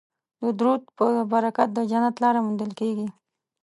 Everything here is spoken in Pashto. د درود په برکت د جنت لاره موندل کیږي